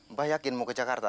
mbah yakin mau ke jakarta